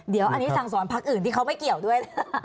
เดี๋ยวอันนี้สั่งสอนพักอื่นที่เขาไม่เกี่ยวด้วยนะ